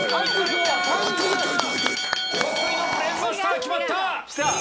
決まった！